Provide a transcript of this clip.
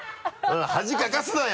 恥かかすなよ。